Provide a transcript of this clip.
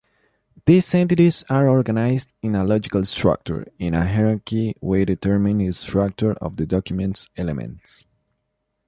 These entities are organized in a logical structure, in a hierarchic way determining the structure of the document’s elements.